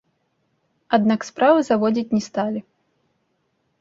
Аднак справы заводзіць не сталі.